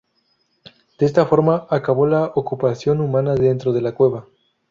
De esta forma acabó la ocupación humana dentro de la cueva.